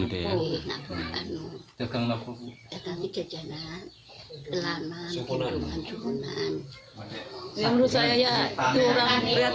menurut saya itu orang pria pria